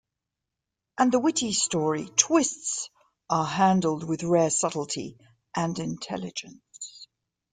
And the witty story twists are handled with rare subtlety and intelligence.